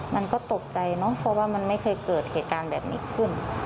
มันก็ตกใจเนอะเพราะว่ามันไม่เคยเกิดเหตุการณ์แบบนี้ขึ้น